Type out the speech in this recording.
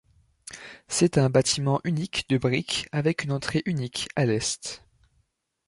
C'est un bâtiment unique de brique avec une entrée unique à l'est.